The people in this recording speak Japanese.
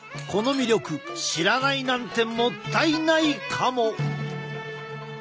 この魅力知らないなんてもったいないかも！